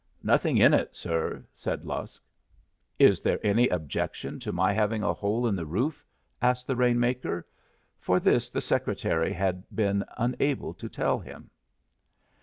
"Nothing in it, sir," said Lusk. "Is there any objection to my having a hole in the roof?" asked the rain maker; for this the secretary had been unable to tell him.